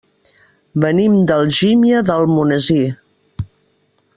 Venim d'Algímia d'Almonesir.